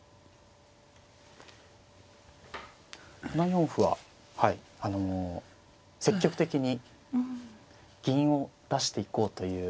７四歩はあの積極的に銀を出していこうという。